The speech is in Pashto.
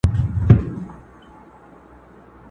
چي پر ځان دي وي پېرزو هغه پر بل سه »،،!